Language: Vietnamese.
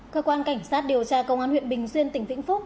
cơ quan cảnh sát điều tra công an huyện bình xuyên tỉnh vĩnh phúc